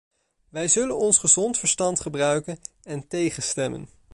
Wij zullen ons gezond verstand gebruiken en tegenstemmen.